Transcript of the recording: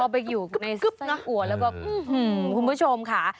พอไปอยู่ในใส้อัวแล้วก็คุณผู้ชมค่ะ